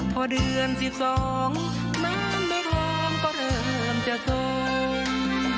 เพราะเดือนสิบสองน้ำไม่คล้องก็เริ่มจะทง